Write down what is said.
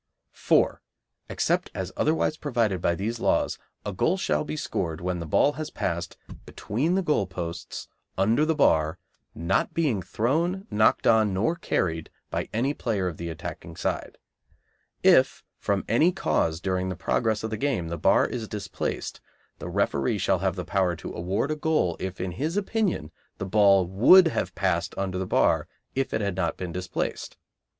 4. Except as otherwise provided by these laws a goal shall be scored when the ball has passed between the goal posts under the bar, not being thrown, knocked on, nor carried by any player of the attacking side. If from any cause during the progress of the game the bar is displaced, the referee shall have power to award a goal if in his opinion the ball would have passed under the bar if it had not been displaced.